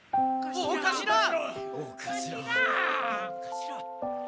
おかしら！